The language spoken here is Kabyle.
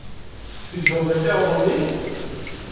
Tgezmeḍ lkaɣeḍ-nni?